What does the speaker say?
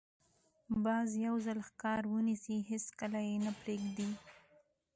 باز یو ځل ښکار ونیسي، هېڅکله یې نه پرېږدي